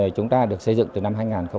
chúng ta được xây dựng từ năm hai nghìn chín